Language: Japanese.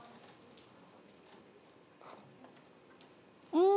うん！